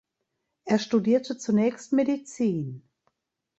Er studierte zunächst Medizin.